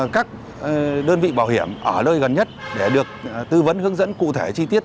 các đơn vị bảo hiểm ở nơi gần nhất để được tư vấn hướng dẫn cụ thể chi tiết